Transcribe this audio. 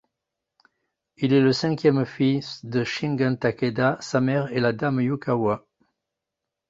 Il est le cinquième fils de Shingen Takeda, sa mère est la dame Yukawa.